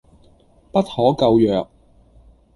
不可救藥